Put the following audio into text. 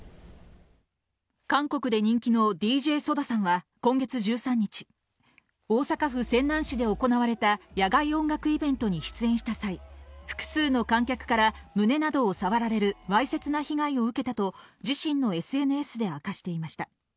韓国で人気のＤＪＳＯＤＡさんは今月１３日、大阪府泉南市で行われた野外音楽イベントに出演した際、複数の観客から胸などを触られる、わいせつな被害を受けたと自身のＳＮＳで明かしていました。